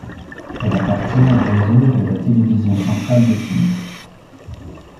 Elle appartient au réseau de la Télévision centrale de Chine.